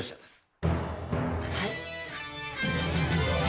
はい？